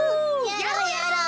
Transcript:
やろうやろう！